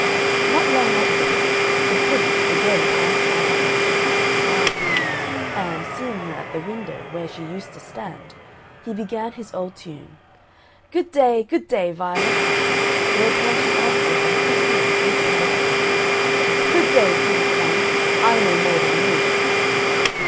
Not long afterwards, the Prince again passed by the house of Violet's father; and, seeing her at the window where she used to stand, he began his old tune, "Good day, good day, Violet!" Whereupon she answered as quickly as a good parish clerk, "Good day, King's son! I know more than you."